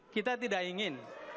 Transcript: kita tidak ingin